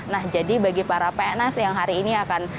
nah jadi bagi para pns yang hari ini akan